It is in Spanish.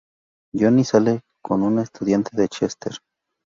Jonny sale con una estudiante de Chester.